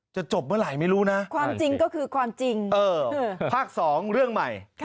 จบเมื่อไหร่ไม่รู้นะความจริงก็คือความจริงภาค๒เรื่องใหม่